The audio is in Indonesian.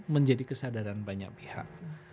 menjadi kesadaran banyak pihak